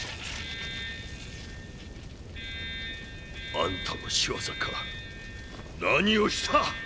あんたのしわざか何をした！？